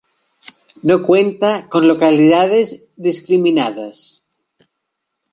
No cuenta con localidades discriminadas.